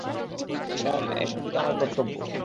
Ma'am, এ সবই তো আমার কর্তব্য।